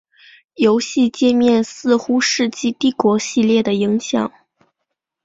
游戏介面似受世纪帝国系列的影响。